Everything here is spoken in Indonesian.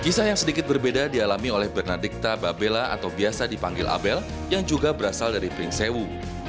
kisah yang sedikit berbeda dialami oleh bernadikta babella atau biasa dipanggil abel yang juga berasal dari pringsewu